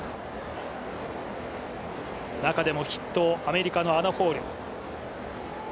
中でも筆頭、アメリカのアナ・ホール。